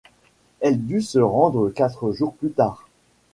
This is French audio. Elle dut se rendre quatre jours plus tard.